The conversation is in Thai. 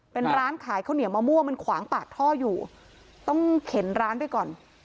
เป็นร้านขายข้าวเหนียวมะม่วงมันขวางปากท่ออยู่ต้องเข็นร้านไปก่อน